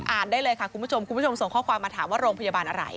ได้เลยค่ะคุณผู้ชมคุณผู้ชมส่งข้อความมาถามว่าโรงพยาบาลอะไร